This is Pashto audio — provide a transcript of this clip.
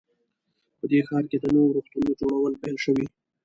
په دې ښار کې د نویو روغتونونو جوړول پیل شوي